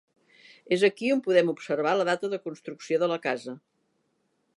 És aquí on podem observar la data de construcció de la casa.